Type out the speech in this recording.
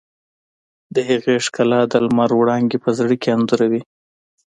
د هغې ښکلا د لمر وړانګې په زړه کې انځوروي.